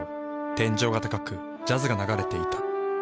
天井が高くジャズが流れていた。